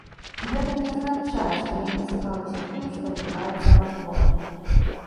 Гэта не азначае, што я не цікаўлюся тым, што адбываецца вакол.